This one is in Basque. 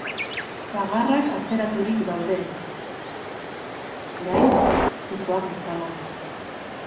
Sagarrak atzeraturik daude orain, pikoak bezala.